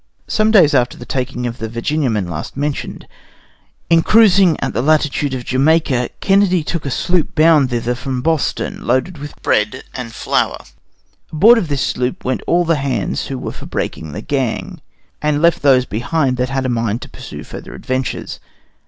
Some days after the taking of the Virginiaman last mentioned, in cruising in the latitude of Jamaica, Kennedy took a sloop bound thither from Boston, loaded with bread and flour; aboard of this sloop went all the hands who were for breaking the gang, and left those behind that had a mind to pursue further adventures.